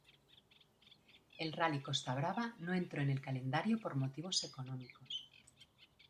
El Rally Costa Brava no entró en el calendario por motivos económicos.